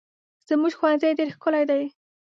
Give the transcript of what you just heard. زموږ ښوونځی ډېر ښکلی دی.